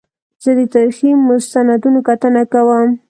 زه د تاریخي مستندونو کتنه کوم.